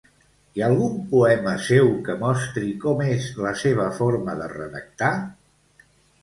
Hi ha algun poema seu que mostri com és la seva forma de redactar?